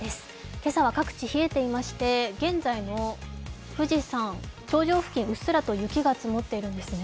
今朝は各地冷えていまして現在の富士山、頂上付近うっすらと雪が積もっているんですね。